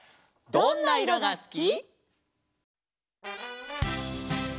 「どんないろがすき」